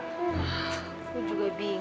wah aku juga bingung